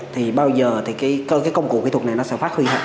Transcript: thì bao giờ thì cái công cụ kỹ thuật này nó sẽ phát huy